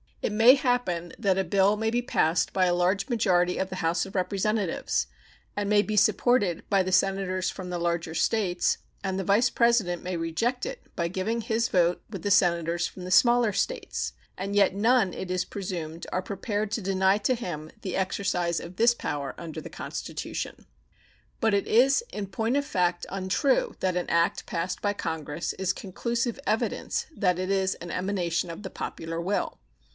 It may happen that a bill may be passed by a large majority of the House of Representatives, and may be supported by the Senators from the larger States, and the Vice President may reject it by giving his vote with the Senators from the smaller States; and yet none, it is presumed, are prepared to deny to him the exercise of this power under the Constitution. But it is, in point of fact, untrue that an act passed by Congress is conclusive evidence that it is an emanation of the popular will.